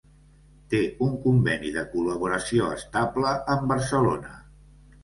Té un conveni de col·laboració estable amb Barcelona.